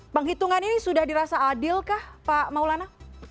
penghitungan ini sudah dirasa adil kah pak maulana